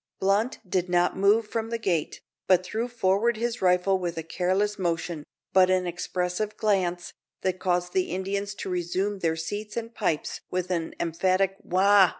Blunt did not move from the gate, but threw forward his rifle with a careless motion, but an expressive glance, that caused the Indians to resume their seats and pipes with an emphatic "Wah!"